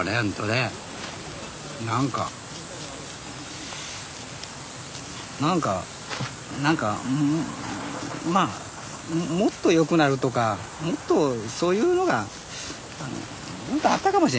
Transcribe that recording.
何か何か何かまあもっとよくなるとかもっとそういうのがあったかもしれないですね。